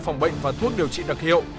phòng bệnh và thuốc điều trị đặc hiệu